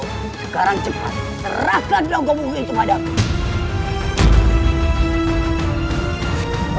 sekarang cepat serahkan dong kemungkinan itu padaku